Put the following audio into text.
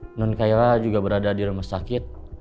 menurut kayla juga berada di rumah sakit